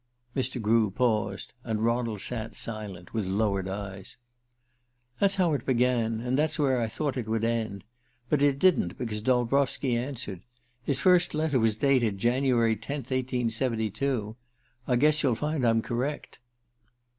Mr. Grew paused, and Ronald sat silent, with lowered eyes. "That's how it began; and that's where I thought it would end. But it didn't, because Dolbrowski answered. His first letter was dated January 10, 1872. I guess you'll find I'm correct.